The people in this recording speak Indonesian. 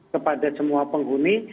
kepada semua penghuni